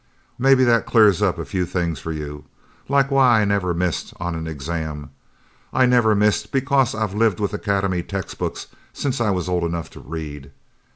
"Maybe that clears up a few things for you. Like why I never missed on an exam. I never missed because I've lived with Academy textbooks since I was old enough to read.